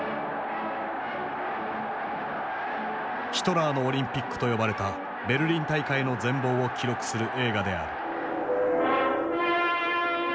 「ヒトラーのオリンピック」と呼ばれたベルリン大会の全貌を記録する映画である。